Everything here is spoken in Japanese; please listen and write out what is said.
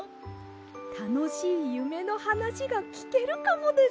たのしいゆめのはなしがきけるかもです。